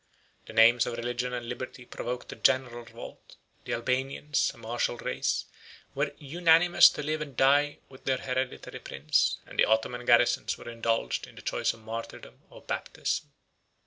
The names of religion and liberty provoked a general revolt: the Albanians, a martial race, were unanimous to live and die with their hereditary prince; and the Ottoman garrisons were indulged in the choice of martyrdom or baptism.